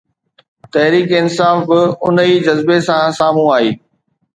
تحريڪ انصاف به ان ئي جذبي سان سامهون آئي.